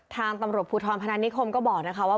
ทางตำรวจภูทรพนันนิคมก็บอกนะคะว่า